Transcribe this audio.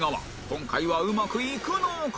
今回はうまくいくのか？